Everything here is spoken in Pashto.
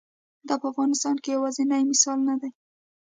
دا په افغانستان کې یوازینی مثال نه دی.